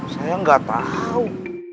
saya gak tau